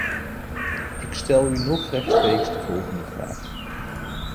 Ik stel u nog rechtsreeks de volgende vraag.